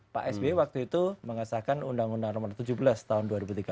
pak sby waktu itu mengesahkan undang undang nomor tujuh belas tahun dua ribu tiga belas